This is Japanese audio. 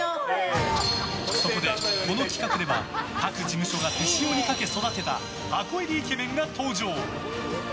そこで、この企画では各事務所が手塩にかけ育てた箱入りイケメンが登場。